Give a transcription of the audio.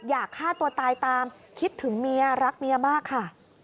อยากฆ่าตัวตายตามคิดถึงเมียรักเมียมากค่ะ